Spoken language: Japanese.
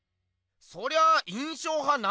そりゃ印象派